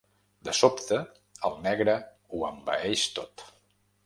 De sobte, el negre ho envaeix tot.